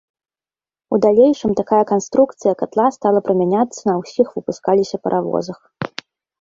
У далейшым такая канструкцыя катла стала прымяняцца на ўсіх выпускаліся паравозах.